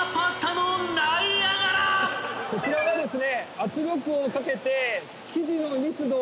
こちらがですね。